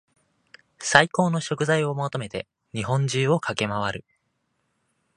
最高の食材を求めて日本中を駆け回る